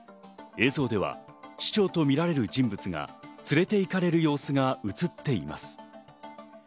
映像では市長とみられる人物が連れて行かれる様子が映っています。